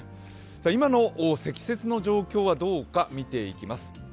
今の積雪の状況はどうか見ていきます。